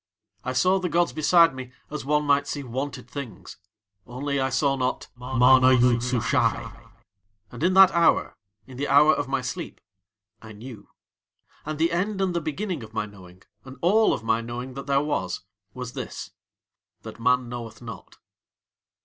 I saw the gods beside me as one might see wonted things. Only I saw not MANA YOOD SUSHAI. And in that hour, in the hour of my sleep, I knew. And the end and the beginning of my knowing, and all of my knowing that there was, was this that Man Knoweth Not.